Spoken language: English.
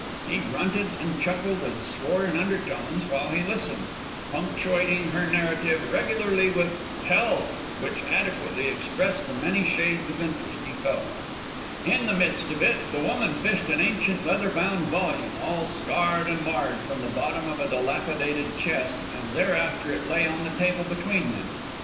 He grunted and chuckled and swore in undertones while he listened, punctuating her narrative regularly with hells! which adequately expressed the many shades of interest he felt. In the midst of it, the woman fished an ancient leather bound volume, all scarred and marred, from the bottom of a dilapidated chest, and thereafter it lay on the table between them.